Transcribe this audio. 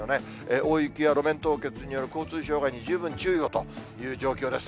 大雪や路面凍結による交通障害に十分注意をという状況です。